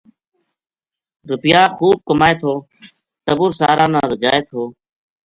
رُپیا خوب کمائے تھو ٹَبر سارا نا رجائے تھو